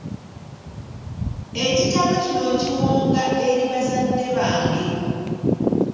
Ekitabo kino nkiwonga eri bazadde bange.